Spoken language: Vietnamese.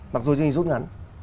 mặc dù sinh dục ngắn